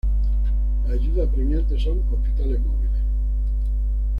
La ayuda apremiante son hospitales móviles".